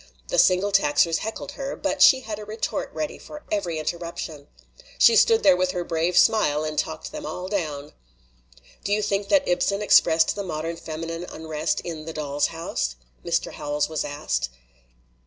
The Single Taxers heckled her, but she had a retort ready for every interruption. She stood there with her brave smile and talked them all down." "Do you think that Ibsen expressed the mod ern feminine unrest in The Doll's House?'' Mr. Howells was asked.